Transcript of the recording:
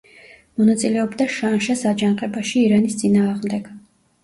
მონაწილეობდა შანშეს აჯანყებაში ირანის წინააღმდეგ.